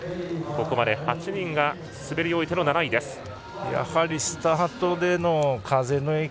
ここまで８人が滑り終えての７位です。